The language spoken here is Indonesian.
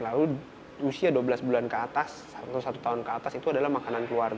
lalu usia dua belas bulan ke atas atau satu tahun ke atas itu adalah makanan keluarga